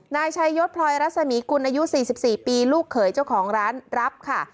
นายชัยยศพลอยรัศมีกุลอายุ๔๔ปีลูกเขยเจ้าของร้านรับค่ะ